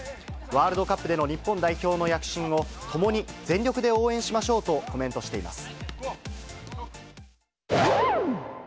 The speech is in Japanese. ワールドカップでの日本代表の躍進をともに全力で応援しましょうとコメントしています。